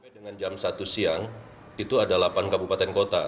sampai dengan jam satu siang itu ada delapan kabupaten kota